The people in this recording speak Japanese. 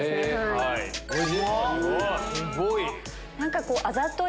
すごい！